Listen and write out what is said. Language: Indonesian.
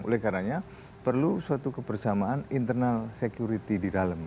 oleh karenanya perlu suatu kebersamaan internal security di dalam